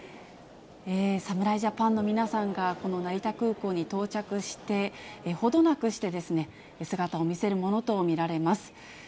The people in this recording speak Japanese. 侍ジャパンの皆さんが、この成田空港に到着して、ほどなくして、姿を見せるものと見られます。